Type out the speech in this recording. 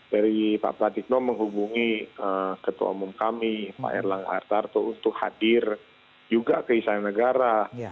dari pak pratikno menghubungi ketua umum kami pak erlangga hartarto untuk hadir juga ke istana negara